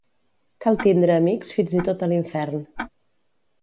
Cal tindre amics fins i tot a l'infern.